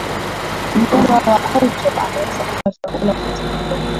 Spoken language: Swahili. mgonjwa wa auto anaweza kula vyakula vyovyote vile